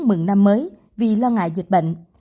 mừng năm mới vì lo ngại dịch bệnh